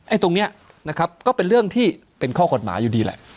ตรงนี้นะครับก็เป็นเรื่องที่เป็นข้อกฎหมายอยู่ดีแหละ